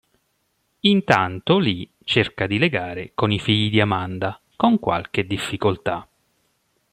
Intanto Lee cerca di legare con i figli di Amanda, con qualche difficoltà'.